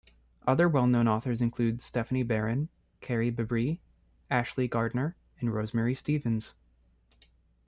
Other well-known authors include: Stephanie Barron, Carrie Bebris, Ashley Gardner, and Rosemary Stevens.